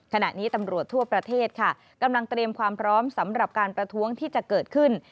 ขณะนี้ตำรวจทั่วประเทศค่ะกำลังเตรียมความพร้อมสำหรับการประท้วงที่จะเกิดขึ้น